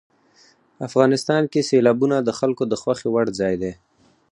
افغانستان کې سیلابونه د خلکو د خوښې وړ ځای دی.